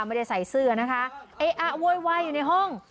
ไม่ได้ใส่เสื้อนะคะเอ๊ะอ่ะโวยวายอยู่ในห้อง